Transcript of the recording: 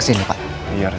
tadi ibu pamitan sama kiki